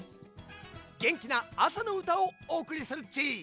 げんきなあさのうたをおおくりするっち。